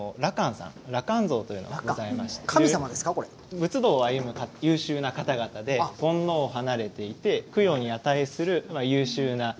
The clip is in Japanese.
仏道を歩む優秀な方々で煩悩を離れていて供養に値する優秀な聖者。